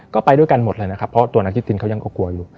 ก็ไปด้วยกันหมดเลยนะครับเพราะตัวนางคิดตินเขายังก็กลัวอยู่